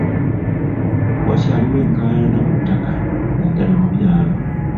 Wakyaliwo enkaayana ku ttaka naddaala mu byalo.